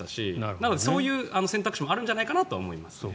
なので、そういう選択肢もあるんじゃないかなと思います。